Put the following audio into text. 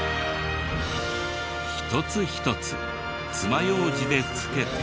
一つ一つつまようじで付けて。